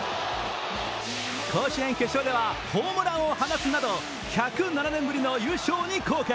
甲子園決勝ではホームランを放つなど、１０７年ぶりの優勝に貢献。